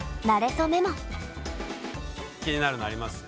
気になるのあります？